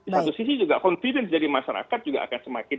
di satu sisi juga confidence dari masyarakat juga akan semakin